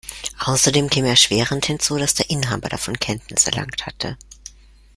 Außerdem käme erschwerend hinzu, dass der Inhaber davon Kenntnis erlangt hatte.